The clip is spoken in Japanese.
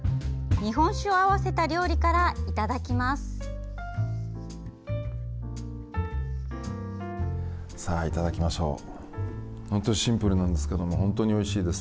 日本酒を合わせた料理からいただきます。